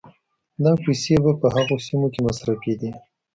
دا پيسې به په هغو سيمو کې مصرفېدې